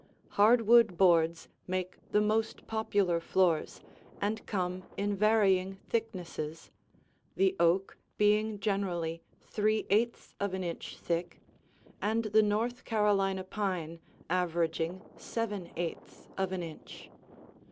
Hardwood boards make the most popular floors and come in varying thicknesses, the oak being generally three eighths of an inch thick and the North Carolina pine averaging seven eighths of an inch.